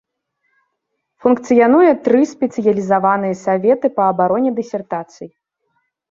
Функцыянуе тры спецыялізаваныя саветы па абароне дысертацый.